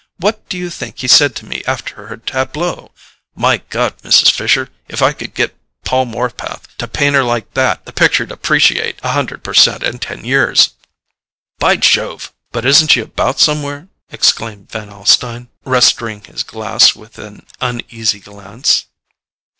What do you think he said to me after her TABLEAU? 'My God, Mrs. Fisher, if I could get Paul Morpeth to paint her like that, the picture'd appreciate a hundred per cent in ten years.'" "By Jove,—but isn't she about somewhere?" exclaimed Van Alstyne, restoring his glass with an uneasy glance.